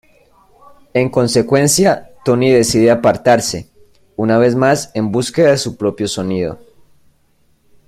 En consecuencia, Tony decide apartarse, una vez más en búsqueda de su propio sonido.